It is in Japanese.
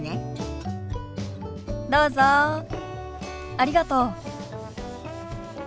ありがとう。